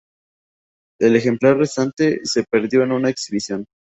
El ejemplar restante se perdió en una exhibición.